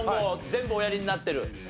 全部おやりになってる？